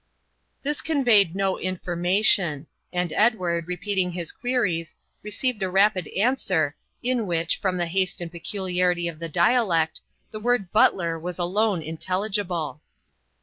This conveyed no information, and Edward, repeating his queries, received a rapid answer, in which, from the haste and peculiarity of the dialect, the word 'butler' was alone intelligible.